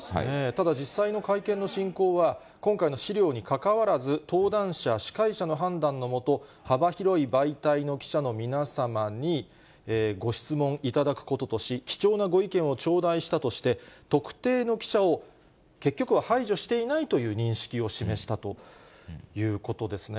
ただ実際の会見の進行は、今回の資料にかかわらず、登壇者、司会者の判断のもと、幅広い媒体の記者の皆様にご質問いただくこととし、貴重なご意見を頂戴したとして、特定の記者を、結局は排除していないという認識を示したということですね。